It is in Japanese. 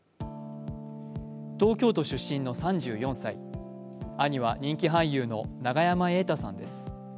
東京都出身の３４歳、兄は人気俳優の永山瑛太さんです。